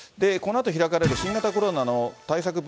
このあと開かれる新型コロナの対策